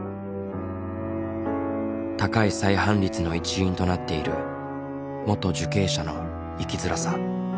高い再犯率の一因となっている元受刑者の生きづらさ。